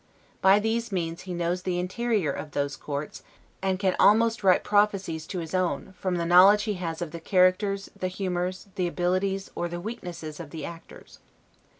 By these means he knows the interior of those courts, and can almost write prophecies to his own, from the knowledge he has of the characters, the humors, the abilities, or the weaknesses of the actors.